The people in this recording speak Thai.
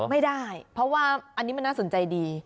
ไม่ได้เพราะว่าอันนี้มันน่าสนใจดี